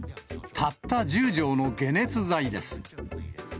たった１０錠の解熱剤です。